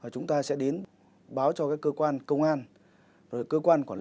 chúng có trường hợp